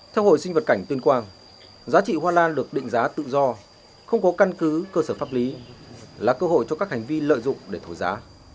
theo hội sinh vật cảnh tuyên quang giá trị hoa lan được định giá tự do không có căn cứ cơ sở pháp lý là cơ hội cho các hành vi lợi dụng để thổi giá